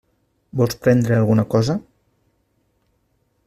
Vols prendre alguna cosa?